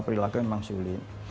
perilaku memang sulit